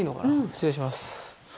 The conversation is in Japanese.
失礼します。